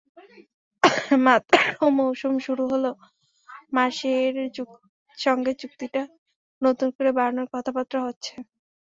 মাত্র মৌসুম শুরু হলো, মার্শেইয়ের সঙ্গে চুক্তিটা নতুন করে বাড়ানোর কথাবার্তা হচ্ছে।